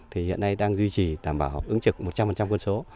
thì hiện nay đang duy trì đảm bảo ứng trực một trăm linh quân số